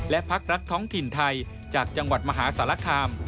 และพักรักท้องถิ่นไทยจากจังหวัดมหาสารคาม